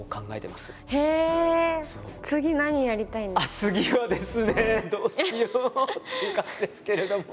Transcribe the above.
次はですねどうしようっていう感じですけれども。